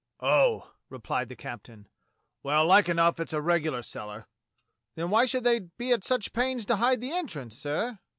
"Oh!" replied the captain. "Well, like enough it's the regular cellar." "Then why should they be at such pains to hide the entrance, sir.